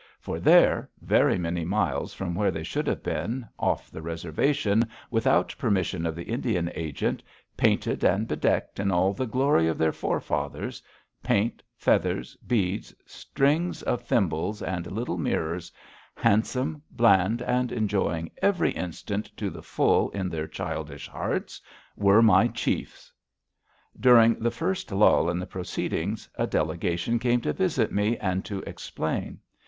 For there, very many miles from where they should have been, off the Reservation without permission of the Indian agent, painted and bedecked in all the glory of their forefathers paint, feathers, beads, strings of thimbles and little mirrors handsome, bland, and enjoying every instant to the full in their childish hearts, were my chiefs. During the first lull in the proceedings, a delegation came to visit me and to explain.